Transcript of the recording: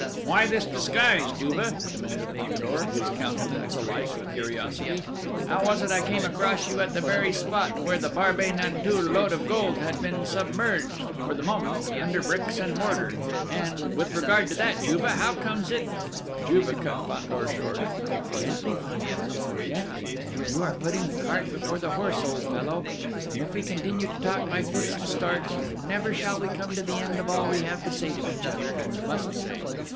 "Why this disguise, Juve?" demanded Fandor, his countenance alight with curiosity. "How was it I came across you at the very spot where the Barbey Nanteuil load of gold had been submerged, for the moment, under bricks and mortar? And, with regard to that, Juve, how comes it ..." Juve cut Fandor short. "Gently! Fandor! Gently! You are putting the cart before the horse, old fellow; and if we continue to talk by fits and starts, never shall we come to the end of all we have to say to each other, and must say.